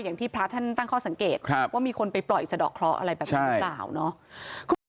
อย่างที่พระท่านตั้งข้อสังเกตว่ามีคนไปปล่อยอีกสัตว์ดอกคล้ออะไรแบบนี้หรือเปล่า